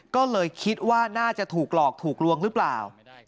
ก็เลยคิดว่าน่าจะถูกหลอกถูกลวงหรือเปล่า